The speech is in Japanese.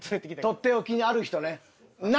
取って置きにある人ね。